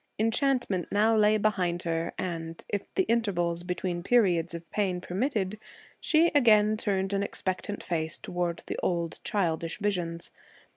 Enchantment now lay behind her, and, if the intervals between periods of pain permitted, she again turned an expectant face toward the old childish visions.